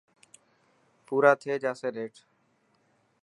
پورا ٿي جاسي نيٺ.